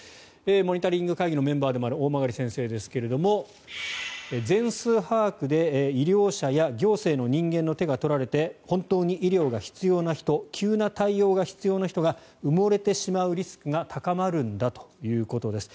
モニタリング会議のメンバーでもある大曲先生ですが全数把握で医療者や行政の人間の手が取られて本当に医療が必要な人急な対応が必要な人が埋もれてしまうリスクが高まるんだということです。